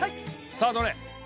さあどれ？